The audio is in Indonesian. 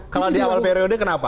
kalau di awal periode kenapa